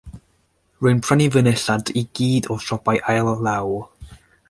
Rwy'n prynu fy nillad i gyd o siopau ail-law.